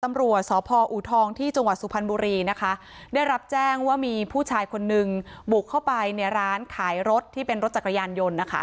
ตำรวจสพอูทองที่จังหวัดสุพรรณบุรีนะคะได้รับแจ้งว่ามีผู้ชายคนนึงบุกเข้าไปในร้านขายรถที่เป็นรถจักรยานยนต์นะคะ